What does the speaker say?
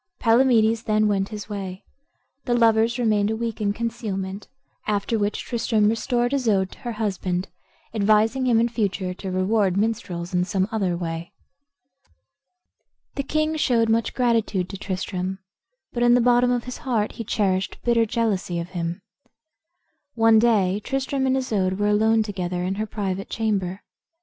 Palamedes then went his way. The lovers remained a week in concealment, after which Tristram restored Isoude to her husband, advising him in future to reward minstrels in some other way. The king showed much gratitude to Tristram, but in the bottom of his heart he cherished bitter jealousy of him. One day Tristram and Isoude were alone together in her private chamber.